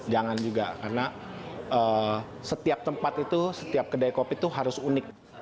jangan juga karena setiap tempat itu setiap kedai kopi itu harus unik